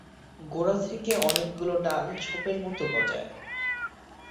গোড়া থেকে অনেকগুলো ডাল ঝোপের মত গজায়।